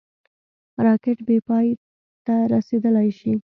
راکټ بېپای ته رسېدلای شي